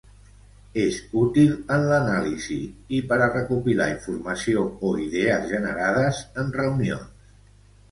És útil en l'anàlisi i per a recopilar informació o idees generades en reunions.